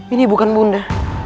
ini bukan bunda